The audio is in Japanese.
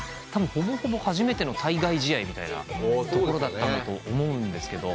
ほぼほぼ初めての対外試合みたいなところだったと思うんですけど。